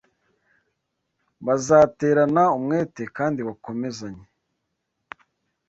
bazaterana umwete kandi bakomezanye